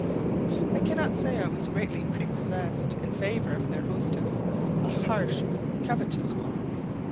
I cannot say I was greatly prepossessed in favour of their hostess, a harsh, covetous woman.